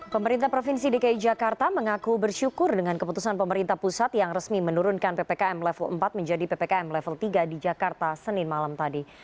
pemerintah provinsi dki jakarta mengaku bersyukur dengan keputusan pemerintah pusat yang resmi menurunkan ppkm level empat menjadi ppkm level tiga di jakarta senin malam tadi